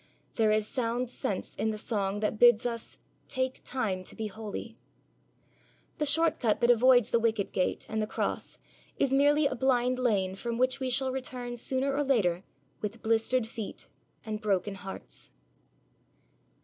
There is sound sense in the song that bids us 'take time to be holy.' The short cut that avoids the wicket gate and the Cross is merely a blind lane from which we shall return sooner or later with blistered feet and broken hearts.